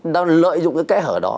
đã lợi dụng cái kẽ hở đó